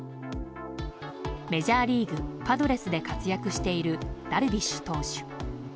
メジャーリーグパドレスで活躍しているダルビッシュ投手。